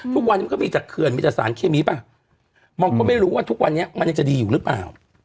ทุกวันมันก็มีจากเคือนมีจากสารเคมีป่ะอืมมองก็ไม่รู้ว่าทุกวันนี้มันจะดีอยู่หรือเปล่า